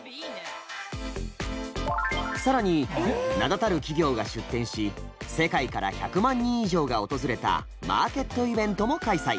更に名だたる企業が出店し世界から１００万人以上が訪れたマーケットイベントも開催。